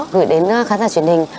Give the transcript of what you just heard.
gửi đến khán giả truyền hình